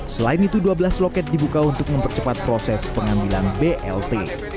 selain itu dua belas loket dibuka untuk mempercepat proses pengambilan blt